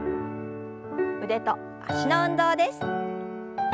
腕と脚の運動です。